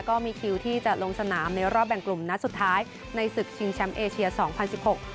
ก็มีคิวที่จะลงสนามในรอบแบ่งกลุ่มนัดสุดท้ายในศึกชิงแชมป์เอเชียสองพันสิบหก